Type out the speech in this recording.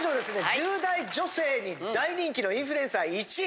１０代女性に大人気のインフルエンサー１位！